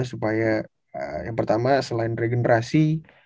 supaya yang pertama selain regenerasi